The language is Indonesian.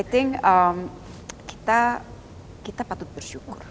i think kita patut bersyukur